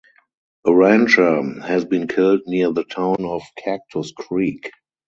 A rancher has been killed near the town of Cactus Creek.